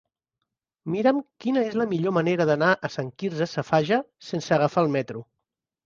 Mira'm quina és la millor manera d'anar a Sant Quirze Safaja sense agafar el metro.